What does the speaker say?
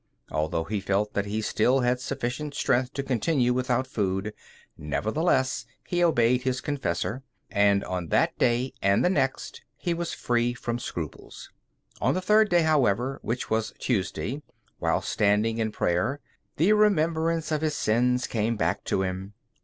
Although he felt that he still had sufficient strength to continue without food, nevertheless he obeyed his confessor, and on that day and the next he was free from scruples. On the third day, however, which was Tuesday, while standing in prayer, the remembrance of his sins came back to him.